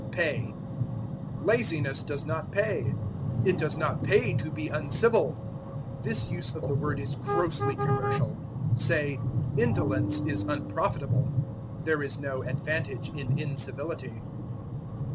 Pay. "Laziness does not pay." "It does not pay to be uncivil." This use of the word is grossly commercial. Say, Indolence is unprofitable. There is no advantage in incivility.